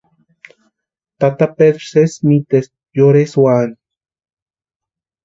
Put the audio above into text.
Tata Pedru sési mitespti yorhesï úani.